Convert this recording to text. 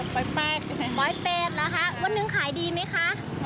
อ๋อปล้อยเป้ดค่ะปล้อยเป้ดเหรอคะวันนึงขายดีไหมคะ